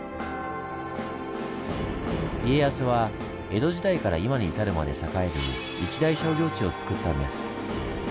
家康は江戸時代から今に至るまで栄える一大商業地をつくったんです。